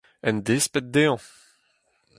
En desped dezhañ !